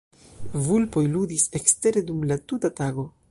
Vulpoj ludis ekstere dum la tuta tago.